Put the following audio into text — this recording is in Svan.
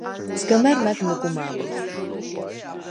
სგჷმა̈რ მა̈გ მუგუ მა̄მ ლიხ.